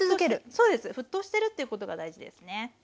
そうです沸騰してるということが大事ですね。